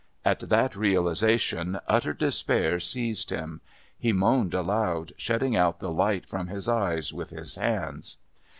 At that realisation utter despair seized him; he moaned aloud, shutting out the light from his eyes with his hands.